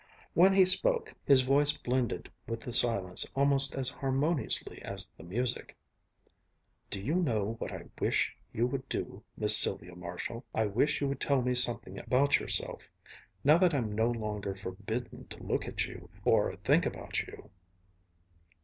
When he spoke, his voice blended with the silence almost as harmoniously as the music.... "Do you know what I wish you would do, Miss Sylvia Marshall? I wish you would tell me something about yourself. Now that I'm no longer forbidden to look at you, or think about you...."